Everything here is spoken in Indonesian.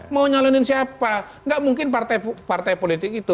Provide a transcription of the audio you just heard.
mau nyalonin siapa nggak mungkin partai politik itu